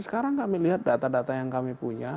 sekarang kami lihat data data yang kami punya